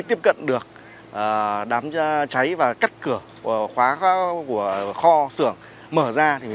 tiếp cận được đám trái và cắt cửa của kho xưởng mở ra